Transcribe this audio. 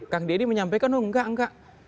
kang deddy menyampaikan oh enggak enggak